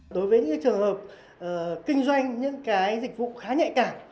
đối với những trường hợp kinh doanh những cái dịch vụ khá nhạy cảm